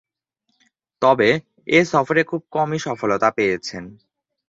তবে, এ সফরে খুব কমই সফলতা পেয়েছেন।